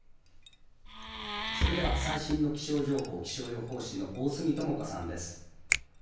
それでは、最新の気象情報、気象予報士の大隅智子さんです。